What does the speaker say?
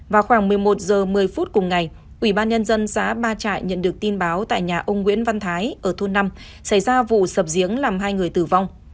vào khoảng một mươi một h một mươi phút cùng ngày ủy ban nhân dân xã ba trại nhận được tin báo tại nhà ông nguyễn văn thái ở thôn năm xảy ra vụ sập giếng làm hai người tử vong